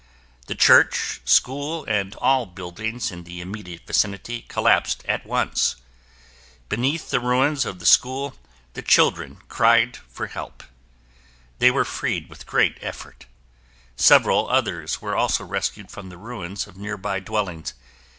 The Church, school, and all buildings in the immediate vicinity collapsed at once. Beneath the ruins of the school, the children cried for help. They were freed with great effort. Several others were also rescued from the ruins of nearby dwellings.